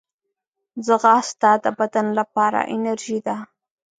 ځغاسته د بدن لپاره انرژي ده